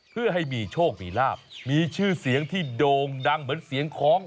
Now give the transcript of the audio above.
เพื่อให้มีโชคมีลาบมีชื่อเสียงที่โด่งดังเหมือนเสียงคล้อง